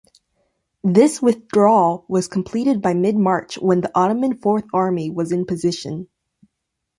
This withdrawal was completed by mid-March when the Ottoman Fourth Army was in position.